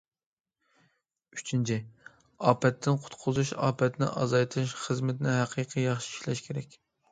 ئۈچىنچى، ئاپەتتىن قۇتقۇزۇش، ئاپەتنى ئازايتىش خىزمىتىنى ھەقىقىي ياخشى ئىشلەش كېرەك.